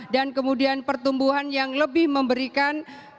dan kemudian pertumbuhan yang lebih memberikan penurunan